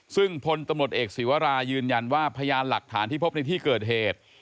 ซึ่งพลตำรวจเอกศีวรายืนยันว่าพยานหลักฐานที่พบในที่เกิดเหตุ